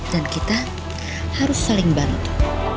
kita harus saling bantu